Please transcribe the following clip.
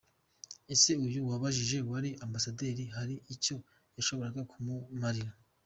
Ese uyu Uwibajije wari ambasaderi hari icyo yashoboraga kumumarira?